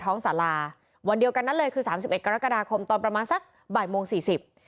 ท้องสาราวันเดียวกันนั้นเลยคือ๓๑กรกฎาคมตอนประมาณสักบ่ายโมงสี่สิบ